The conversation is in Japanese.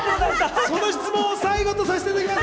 その質問を最後にさせていただきます。